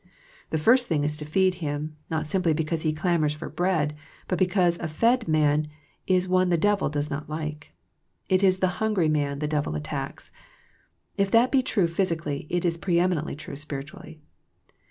The first thing is to feed him, not simply because he clamours for bread, but because a fed man is one the devil does not like. It is the hungry man the devil attacks. If that be true physically, it is preeminently true spiritually.